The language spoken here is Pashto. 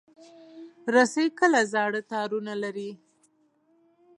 رسۍ کله زاړه تارونه لري.